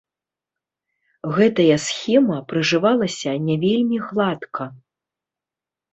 Гэтая схема прыжывалася не вельмі гладка.